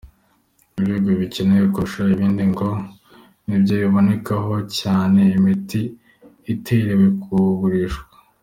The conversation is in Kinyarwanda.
Ibihugu bikennye kurusha ibindi ngo nibyo bibonekamo cyane imiti itemerewe kugurishwa.